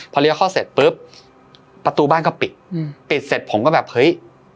พอเลี้ยวเข้าเสร็จปุ๊บประตูบ้านก็ปิดอืมปิดปิดเสร็จผมก็แบบเฮ้ย